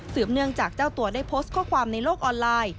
เนื่องจากเจ้าตัวได้โพสต์ข้อความในโลกออนไลน์